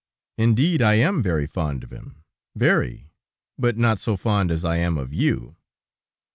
"Indeed, I am very fond of him, very; but not so fond as I am of you."